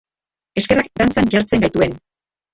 Eskerrak dantzan jartzen gaituen!